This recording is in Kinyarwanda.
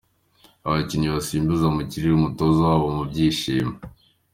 Abakinnyi basimbiza mu kirere umutoza wabo mu byishimo.